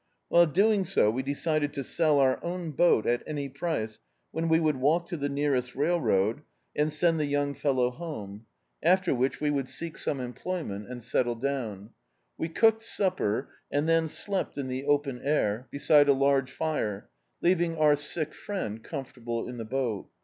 While doing so, we decided to sell our own boat, at any price, when we would walk to the nearest railroad, and send the [»33] Dictzed by Google The Autobiography of a Super Tramp young fellow home; after which we would seek some emploj'ment and settle down. We cooked supper, and then slept in the open air, beside a large fire, leaving our sick friend comfortable in die boat.